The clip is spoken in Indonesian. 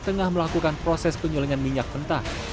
tengah melakukan proses penyulingan minyak mentah